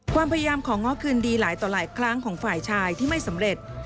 ความพยายามของง้อคืนดีหลายต่อหลายครั้งของฝ่ายชายที่ไม่สำเร็จ